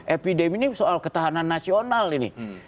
epidemi ini soal ketahanan nasional ini